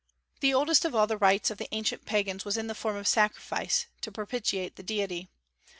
The oldest of all the rites of the ancient pagans was in the form of sacrifice, to propitiate the deity.